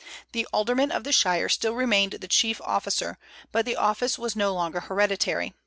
The alderman of the shire still remained the chief officer, but the office was no longer hereditary.